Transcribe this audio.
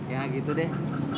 ya gitu deh